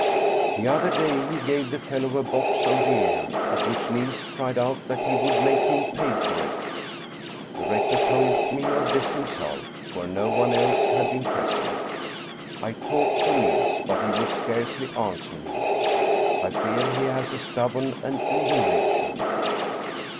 The other day he gave the fellow a box on the ear, at which Niels cried out that he would make him pay for it. The rector told me of this himself, for no one else had been present. I talked to Niels, but he would scarcely answer me. I fear he has a stubborn and evil nature.